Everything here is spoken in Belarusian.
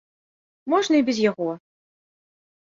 Можна і без яго.